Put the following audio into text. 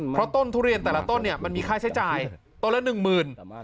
เพราะต้นทุเรียนแต่ละต้นเนี่ยมันมีค่าใช้จ่ายต้นละหนึ่งหมื่น